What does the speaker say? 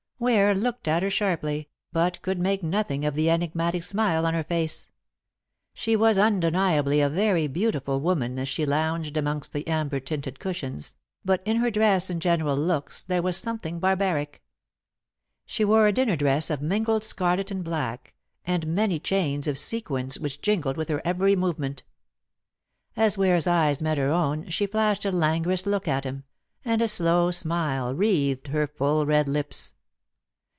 Ware looked at her sharply, but could make nothing of the enigmatic smile on her face. She was undeniably a very beautiful woman as she lounged amongst the amber tinted cushions, but in her dress and general looks there was something barbaric. She wore a dinner dress of mingled scarlet and black, and many chains of sequins which jingled with her every movement. As Ware's eyes met her own she flashed a languorous look at him, and a slow smile wreathed her full red lips.